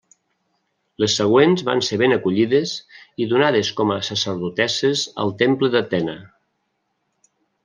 Les següents van ser ben acollides i donades com a sacerdotesses al temple d'Atena.